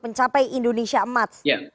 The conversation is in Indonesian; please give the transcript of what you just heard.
mencapai indonesia emat